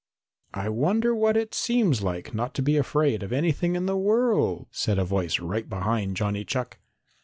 "I wonder what it seems like not to be afraid of anything in the world?" said a voice right behind Johnny Chuck.